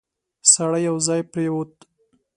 سړی یو ځای پرېووت.